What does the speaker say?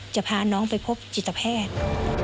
จะพาน้องไปพบจิตแพทย์